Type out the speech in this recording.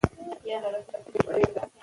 تصمیم د بریا لومړی شرط دی.